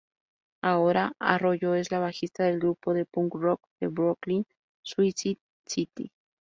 Ahora, Arroyo es la bajista del grupo de punk rock de Brooklyn Suicide City.